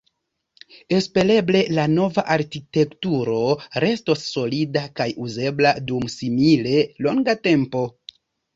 Espereble la nova arkitekturo restos solida kaj uzebla dum simile longa tempo.